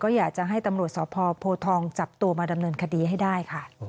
อยากจะให้ตำรวจสพโพทองจับตัวมาดำเนินคดีให้ได้ค่ะ